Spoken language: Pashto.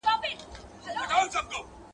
افغانان د خپلواکۍ لپاره په نره جنګېدل.